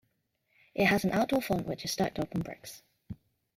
It has an outdoor font which is stacked up on bricks.